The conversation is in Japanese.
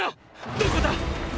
どこだ！！